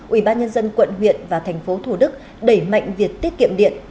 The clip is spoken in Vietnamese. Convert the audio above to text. ủy ban nhân dân quận huyện và tp thủ đức đẩy mạnh việc tiết kiệm điện